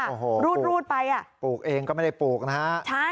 โอ้โหรูดรูดไปอ่ะปลูกเองก็ไม่ได้ปลูกนะฮะใช่